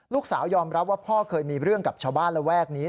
ลูกสาวยอมรับว่าพ่อเคยมีเรื่องกับชาวบ้านระแวกนี้